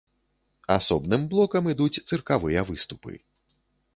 Асобным блокам ідуць цыркавыя выступы.